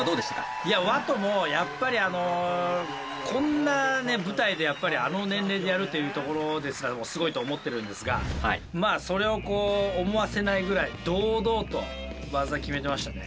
いやＷＡＴＯもやっぱりあのこんな舞台でやっぱりあの年齢でやるというところですらもすごいと思ってるんですがまあそれを思わせないぐらい堂々と技決めてましたね。